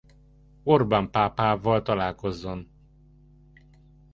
Orbán pápával találkozzon.